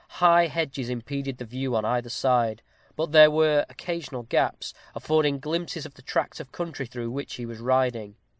High hedges impeded the view on either hand; but there were occasional gaps, affording glimpses of the tract of country through which he was riding.